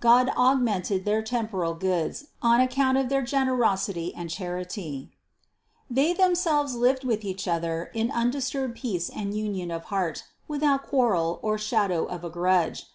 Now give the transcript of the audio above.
God augmented their temporal goods on account of their generosity and charity. 146 CITY OF GOD 170. They themselves lived with each other in undis turbed peace and union of heart, without quarrel or shadow of a grudge.